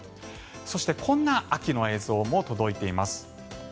そして、こんな秋の映像も届いています。